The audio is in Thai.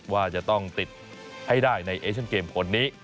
ว่าจะต้องติดให้ได้ในเอชั่นเกมคนนี้